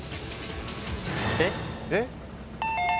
えっ？えっ？